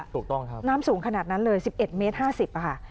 ถูกต้องครับน้ำสูงขนาดนั้นเลย๑๑เมตร๕๐ค่ะ